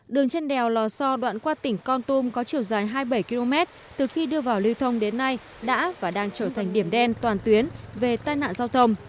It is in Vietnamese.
đường trên đèo lò so đoạn qua tỉnh con tum có chiều dài hai mươi bảy km từ khi đưa vào lưu thông đến nay đã và đang trở thành điểm đen toàn tuyến về tai nạn giao thông